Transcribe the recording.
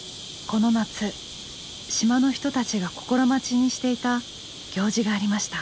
この夏島の人たちが心待ちにしていた行事がありました。